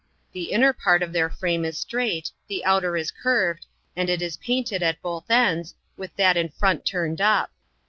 The inner part of their frame is straight, the outer is curved, and it is painted at both ends, with that in front turned up.